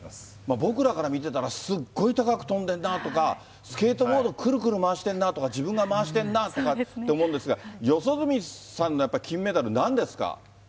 僕らから見てたら、すごい高く跳んでんなとか、スケートボードくるくる回してんなとか、自分が回してんなとか思うんですが、四十住さんの金メダル、なんですか？